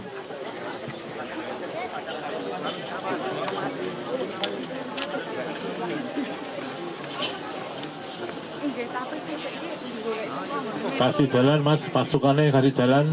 yang bersenjata menyesuaikan tempat